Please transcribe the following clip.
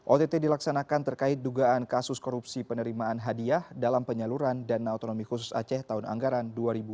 ott dilaksanakan terkait dugaan kasus korupsi penerimaan hadiah dalam penyaluran dana otonomi khusus aceh tahun anggaran dua ribu dua puluh